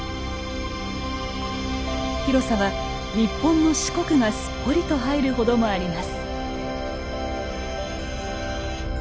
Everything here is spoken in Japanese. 広さは日本の四国がすっぽりと入るほどもあります。